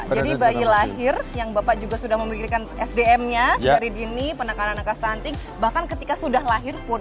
jadi bayi lahir yang bapak juga sudah memikirkan sdm nya penekanan angka stanting bahkan ketika sudah lahir pun